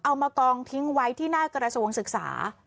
เอามากองทิ้งไว้ที่หน้ากระทรวงศึกษา